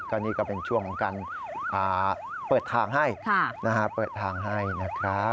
ตอนนี้ก็เป็นช่วงของการเปิดทางให้นะครับ